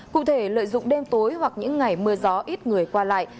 cụ thể lợi dụng đêm tối hoặc những ngày mưa gió ít người qua lại